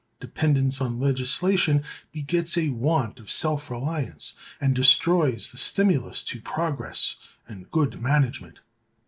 Dependence on legislation begets a want of self reliance, and destroys the stimulus to progress and good management.